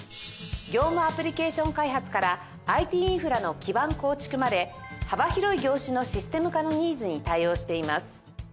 業務アプリケーション開発から ＩＴ インフラの基盤構築まで幅広い業種のシステム化のニーズに対応しています